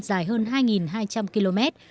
dưới hai trăm linh km